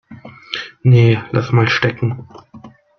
Nee, lass mal stecken.